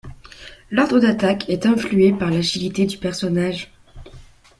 L'ordre d'attaque est influé par l'agilité du personnage.